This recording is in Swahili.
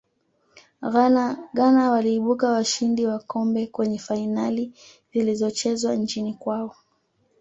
ghana waliibuka washindi wa kombe kwenye fainali zilizochezwa nchini kwao